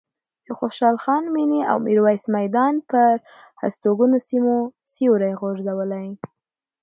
د خوشحال خان مېنې او میرویس میدان پر هستوګنو سیمو سیوری غوړولی.